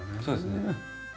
そうですね。